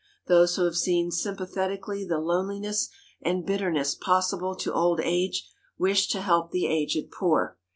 Those who have seen sympathetically the loneliness and bitterness possible to old age, wish to help the aged poor.